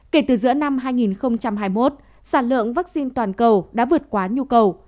kể từ giữa năm hai nghìn hai mươi một sản lượng vaccine toàn cầu đã vượt quá nhu cầu